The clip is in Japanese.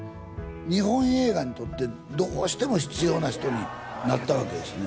日本映画にとってどうしても必要な人になったわけですね